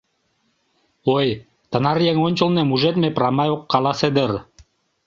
Ой, тынар еҥ ончылно мужедме прамай ок каласе дыр.